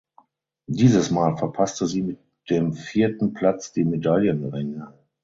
Dieses Mal verpasste sie mit dem vierten Platz die Medaillenränge.